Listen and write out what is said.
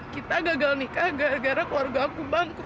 kita gagal nikah gara gara keluarga aku bangku